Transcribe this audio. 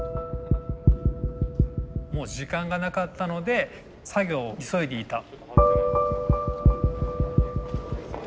もう時間がなかったので作業を急いでいた。